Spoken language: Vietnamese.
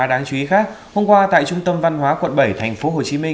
đáng chú ý khác hôm qua tại trung tâm văn hóa quận bảy tp hcm